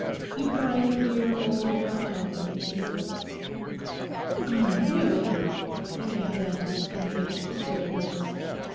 You pride your dear old brawn on it in secret?' 'I really—' began Danton in a rich still voice.